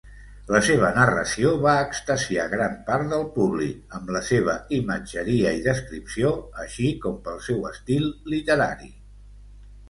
La seva narració va extasiar gran part del públic amb la seva imatgeria i descripció, així com pel seu estil literari.